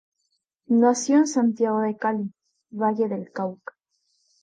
Nació en Santiago de Cali, Valle del Cauca.